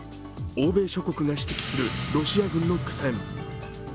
欧米諸国が指摘するロシア軍の苦戦。